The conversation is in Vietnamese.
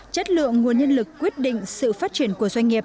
chất lượng nguồn nhân lực quyết định sự phát triển của sức khỏe sinh sản